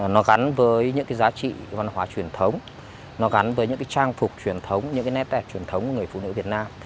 nó gắn với những cái giá trị văn hóa truyền thống nó gắn với những cái trang phục truyền thống những cái nét đẹp truyền thống của người phụ nữ việt nam